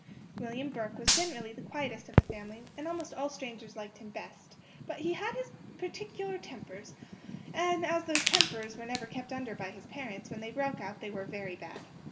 William Burke was generally the quietest of the family, and almost all strangers liked him best; but he had his particular tempers, and as those tempers were never kept under by his parents, when they broke out they were very bad.